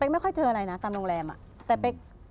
ไม่ค่อยเจออะไรนะตามโรงแรมอ่ะแต่เป๊ก